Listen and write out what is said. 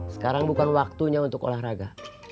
sekarang bukan waktunya untuk olahraga